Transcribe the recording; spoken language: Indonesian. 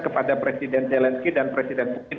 kepada presiden zelensky dan presiden putin